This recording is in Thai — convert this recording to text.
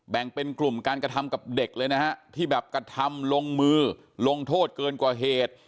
แบ่งเป็นกลุ่มการกระทำกับเด็กเลยนะฮะที่แบบกระทำลงมือลงโทษเกินกว่าเหตุ